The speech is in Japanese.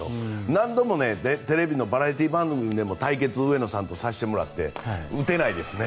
何度もテレビのバラエティー番組で対決、上野さんとさせてもらって打てないですね。